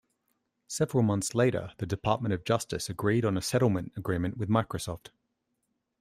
Several months later the Department of Justice agreed on a settlement agreement with Microsoft.